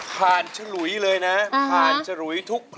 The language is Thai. คุณแอมร้องได้ครับ